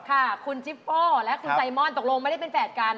ค่ะคุณจิปโป้และคุณไซมอนตกลงไม่ได้เป็นแฝดกัน